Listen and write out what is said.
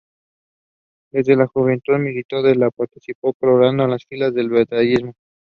Desde su juventud militó en el Partido Colorado en las filas del Batllismo.